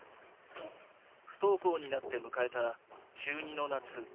不登校になって迎えた中２の夏。